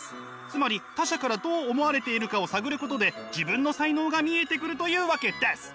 つまり他者からどう思われているかを探ることで自分の才能が見えてくるというわけです。